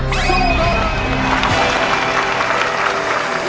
สู้ค่ะ